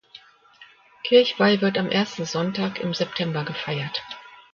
Kirchweih wird am ersten Sonntag im September gefeiert.